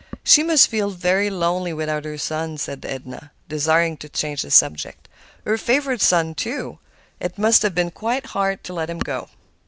"She must feel very lonely without her son," said Edna, desiring to change the subject. "Her favorite son, too. It must have been quite hard to let him go."